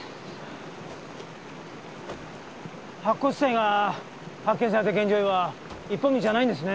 白骨死体が発見された現場へは一本道じゃないんですね。